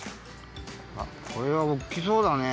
これはおおきそうだね！